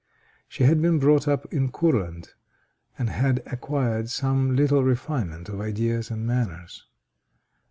She had been brought up in Courland, and had acquired some little refinement of ideas and manners.